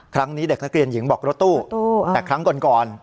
ครั้งนี้เด็กนักเรียนหญิงบอกรถตู้แต่ครั้งก่อน